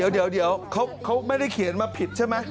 เดี๋ยวเขาไม่ได้เขียนมาผิดใช่ไหม